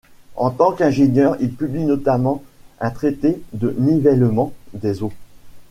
En tant qu'ingénieur, il publie notamment un traité de nivellement des eaux.